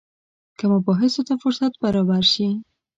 که مباحثو ته فرصت برابر شي.